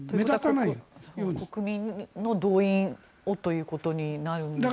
国民の動員をということになるんですか。